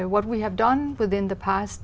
tất nhiên tôi thường đi và